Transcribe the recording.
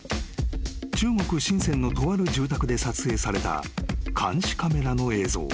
［中国深のとある住宅で撮影された監視カメラの映像］